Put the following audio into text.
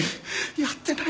やってないんだ。